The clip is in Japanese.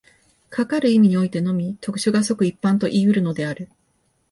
かかる意味においてのみ、特殊が即一般といい得るのである。